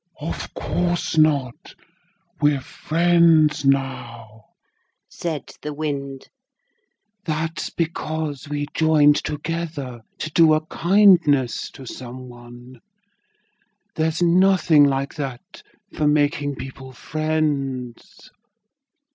'Of course not, we're friends now,' said the wind. 'That's because we joined together to do a kindness to some one. There's nothing like that for making people friends.'